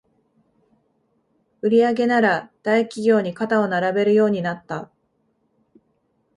売上なら大企業に肩を並べるようになった